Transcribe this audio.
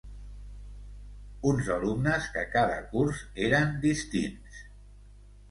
Uns alumnes que cada curs eren distints.